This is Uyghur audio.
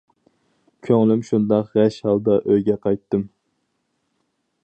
كۆڭلۈم شۇنداق غەش ھالدا ئۆيگە قايتتىم.